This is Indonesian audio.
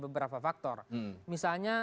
beberapa faktor misalnya